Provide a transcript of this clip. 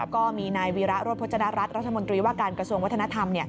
ก็มีนายวีระโรธพจนรัฐรัฐรัฐมนตรีว่าการกระทรวงวัฒนธรรม